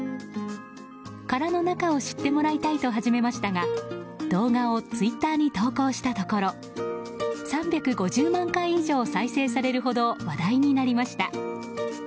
殻の中を知ってもらいたいと始めましたが動画をツイッターに投稿したところ３５０万回以上再生されるほど話題になりました。